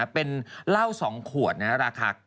เป็นเหล้า๒ขวดราคา๙๙๐๐๐บาท